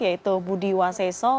yaitu budi waseso